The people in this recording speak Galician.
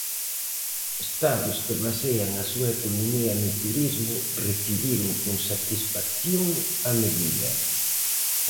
Estados que basean a súa economía no turismo recibiron con satisfacción a medida.